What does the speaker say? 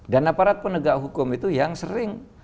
dan aparat penegak hukum itu yang sering